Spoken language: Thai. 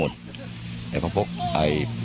พูดว่าก็ได้ไหมแล้วแต่พอกตัวหนอไป